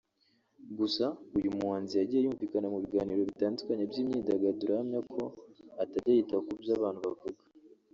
Gusa uyu muhanzi yagiye yumvikana mu biganiro bitandukanye by’imyidagaduro ahamya ko atajya yita ku byo abantu bavuga